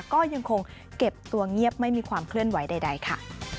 ก็ยังคงเก็บตัวเงียบไม่มีความเคลื่อนไหวใดค่ะ